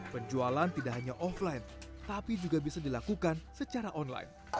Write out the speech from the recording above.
penjualan tidak hanya offline tapi juga bisa dilakukan secara online